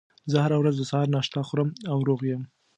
زه هره ورځ د سهار ناشته خورم او روغ یم